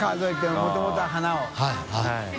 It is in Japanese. もともと花を。